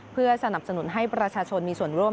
เพื่อสนับสนุนให้ประชาชนมีส่วนร่วม